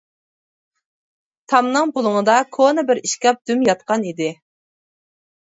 تامنىڭ بۇلۇڭىدا كونا بىر ئىشكاپ دۈم ياتقان ئىدى.